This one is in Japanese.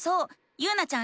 ゆうなちゃん